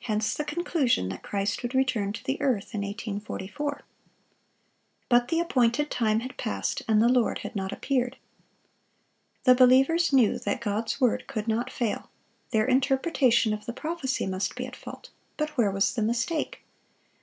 Hence the conclusion that Christ would return to the earth in 1844. But the appointed time had passed, and the Lord had not appeared. The believers knew that God's word could not fail; their interpretation of the prophecy must be at fault; but where was the mistake?